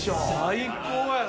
最高やな。